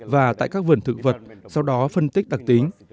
và tại các vườn thực vật sau đó phân tích đặc tính